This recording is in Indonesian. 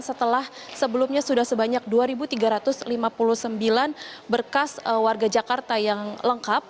setelah sebelumnya sudah sebanyak dua tiga ratus lima puluh sembilan berkas warga jakarta yang lengkap